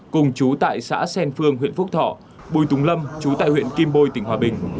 cùng chú tại xã xen phương huyện phúc thọ bùi tùng lâm chú tại huyện kim bôi tỉnh hòa bình